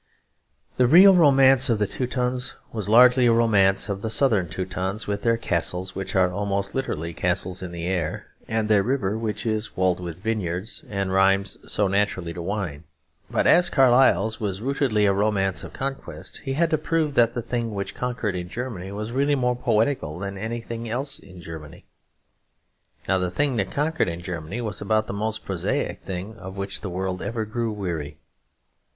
The real romance of the Teutons was largely a romance of the Southern Teutons, with their castles, which are almost literally castles in the air, and their river which is walled with vineyards and rhymes so naturally to wine. But as Carlyle's was rootedly a romance of conquest, he had to prove that the thing which conquered in Germany was really more poetical than anything else in Germany. Now the thing that conquered in Germany was about the most prosaic thing of which the world ever grew weary.